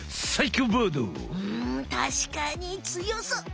うんたしかにつよそう。